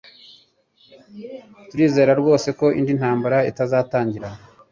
Turizera rwose ko indi ntambara itazatangira.